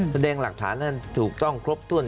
แสดงหลักฐานถูกต้องครบทุน